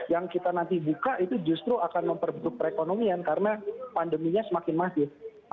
yang kita nanti buka itu justru akan memperburuk perekonomian karena pandeminya semakin masif